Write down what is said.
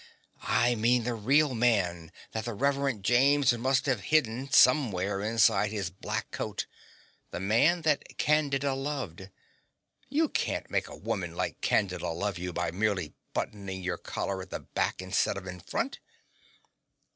I mean the real man that the Reverend James must have hidden somewhere inside his black coat the man that Candida loved. You can't make a woman like Candida love you by merely buttoning your collar at the back instead of in front.